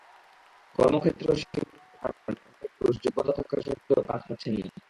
কর্মক্ষেত্র সীমিত হওয়ার কারণে অনেক নারী-পুরুষ যোগ্যতা থাকা সত্ত্বেও কাজ পাচ্ছেন না।